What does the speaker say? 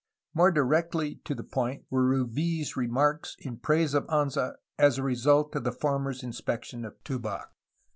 '' More directly to the point were Rubins remarks in praise of Anza as a result of the former's inspection of Tubac.